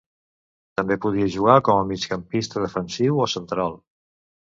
També podia jugar com a migcampista defensiu o central.